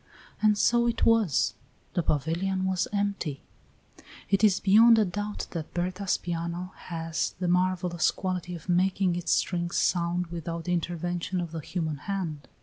And so it was; the pavilion was empty. It is beyond a doubt that Berta's piano has the marvellous quality of making its strings sound without the intervention of the human hand.